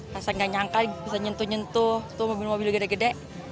rasa gak nyangka bisa nyentuh nyentuh tuh mobil mobil gede gede